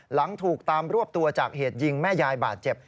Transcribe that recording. หลังถูกตามรวบตัวจากเหตุยิงแม่ยายบาดเจ็บ